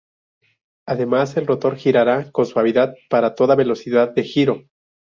Además, el rotor girará con suavidad para toda velocidad de giro.